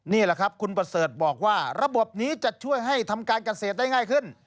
นี่แหละครับคุณประเสริฐบอกว่าระบบนี้จะช่วยให้ทำการเกษตรได้ง่ายขึ้น